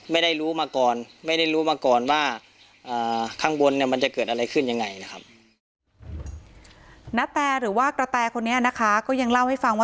ไม่ได้รู้มาก่อนไม่ได้รู้มาก่อนว่าข้างบนเนี่ยมันจะเกิดอะไรขึ้นยังไงนะครับ